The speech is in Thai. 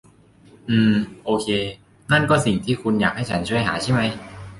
อืมโอเค นั่นก็สิ่งที่คุณอยากให้ฉันช่วยหาใช่ไหม